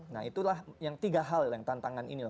nah itulah yang tiga hal yang tantangan inilah